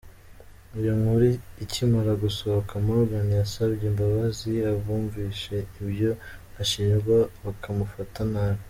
Iyo nkuru ikimara gusohoka, Morgan yasabye imbabazi abumvise ibyo ashinjwa bakamufata nabi.